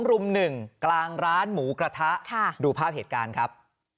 รุมหนึ่งกลางร้านหมูกระทะดูภาพเหตุการณ์ครับ